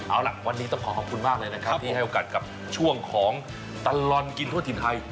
เอาล่ะวันนี้ต้องขอขอบคุณมากเลยนะครับที่ให้โอกาสกับช่วงของตลอดกินทั่วถิ่นไทย